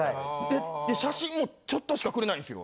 で写真もちょっとしかくれないんですよ。